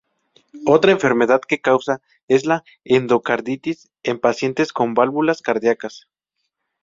Otra enfermedad que causa es la endocarditis en pacientes con válvulas cardíacas.